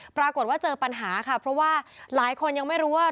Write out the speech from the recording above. ปรากฏว่าเจอปัญหาค่ะเพราะว่าหลายคนยังไม่รู้ว่า